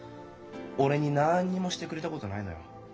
俺に何にもしてくれたことないのよ。